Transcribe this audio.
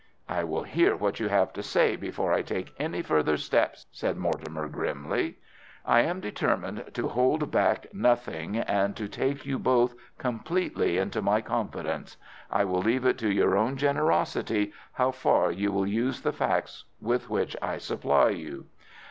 "I will hear what you have to say before I take any further steps," said Mortimer, grimly. "I am determined to hold back nothing, and to take you both completely into my confidence. I will leave it to your own generosity how far you will use the facts with which I supply you."